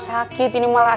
aku mau pulang lagi